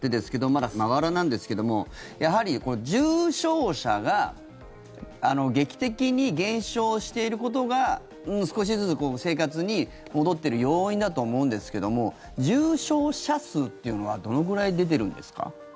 まだ、まばらなんですけどもやはり重症者が劇的に減少していることが少しずつ生活に戻っている要因だと思うんですけども重症者数というのはどのぐらい出ているんですか？